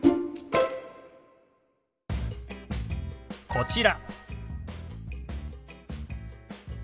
こちら。